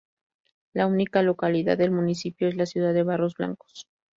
La única localidad del municipio es la ciudad de Barros Blancos.